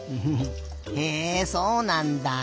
へえそうなんだ。